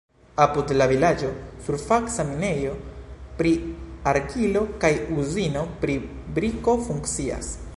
Apud la vilaĝo surfaca minejo pri argilo kaj uzino pri briko funkcias.